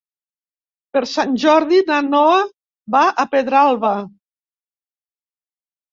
Per Sant Jordi na Noa va a Pedralba.